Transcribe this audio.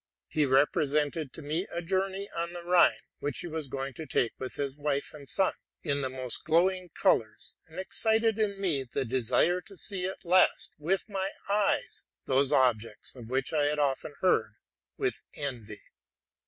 He represented to me a journey on the Rhine, which he was going. to take with his wife and son, in the most glowing colors, and excited in me the desire to see at last, with my eyes, those objects of which T had often heard with envy.